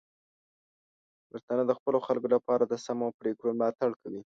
پښتانه د خپلو خلکو لپاره د سمو پریکړو ملاتړ کوي.